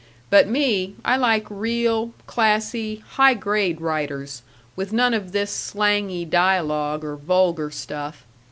But me, I like real, classy, high grade writers, with none of this slangy dialogue or vulgar stuff.